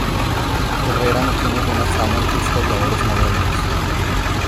Herrera no tiene buena fama entre historiadores modernos.